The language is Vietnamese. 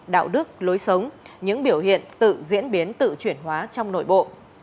đạo đức lối sống những biểu hiện tự diễn biến tự chuyển hóa trong nội bộ